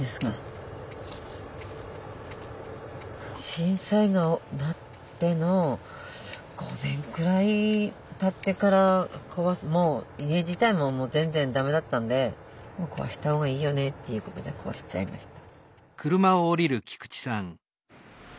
震災なっての５年くらいたってからもう家自体も全然だめだったんでもう壊した方がいいよねっていうことで壊しちゃいました。